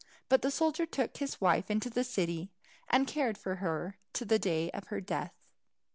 But the soldier took his wife into the city, and cared for her to the day of her death.